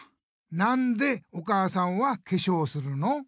なんでお母さんはけしょうをするの？